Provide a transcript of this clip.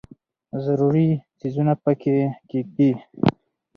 ضروري څیزونه پکې کښېږدي.